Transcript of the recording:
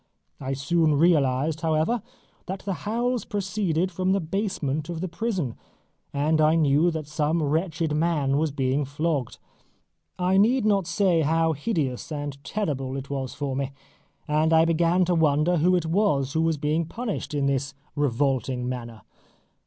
I soon realised, however, that the howls proceeded from the basement of the prison, and I knew that some wretched man was being flogged. I need not say how hideous and terrible it was for me, and I began to wonder who it was who was being punished in this revolting manner.